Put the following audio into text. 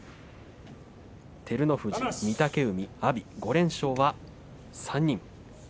照ノ富士、御嶽海、阿炎５連勝は３人。